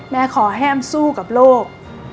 แม่ขอให้แอ้มสู้กับโลก